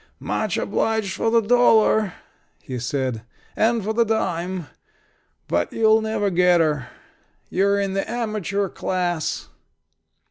"Much obliged for the dollar," he said. "And for the dime. But you'll never get 'er. You're in the amateur class."